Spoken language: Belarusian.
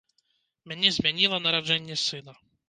Мяне змяніла нараджэнне сына.